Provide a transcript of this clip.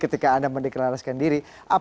ketika anda meniklaraskan diri